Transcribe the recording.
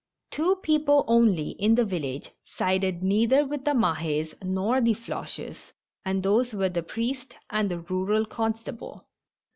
Two people only, in the village, sided neither with the Makes nor the Floches, and those were the priest and the rural constable.